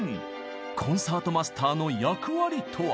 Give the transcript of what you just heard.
コンサートマスターの役割とは？